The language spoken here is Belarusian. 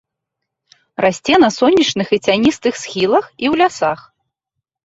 Расце на сонечных і цяністых схілах і ў лясах.